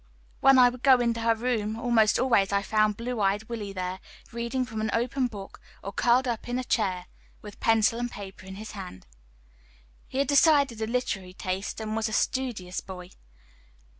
When I would go in her room, almost always I found blue eyed Willie there, reading from an open book, or curled up in a chair with pencil and paper in hand. He had decidedly a literary taste, and was a studious boy.